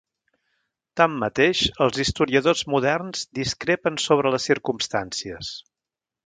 Tanmateix, els historiadors moderns, discrepen sobre les circumstàncies.